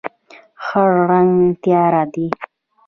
خړ رنګ تیاره دی.